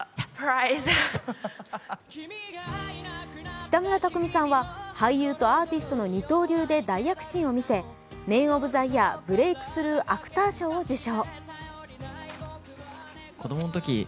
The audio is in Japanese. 北村匠海さんは俳優とアーティストの二刀流で大躍進を見せ、メン・オブ・ザ・イヤー・ブレイクスルー・アクター賞を受賞。